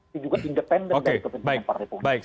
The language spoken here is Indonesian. tapi juga independen dari kepentingan partai politik